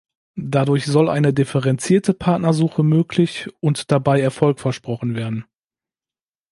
Dadurch soll eine differenzierte Partnersuche möglich und dabei Erfolg versprochen werden.